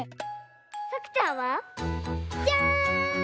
さくちゃんは？じゃん！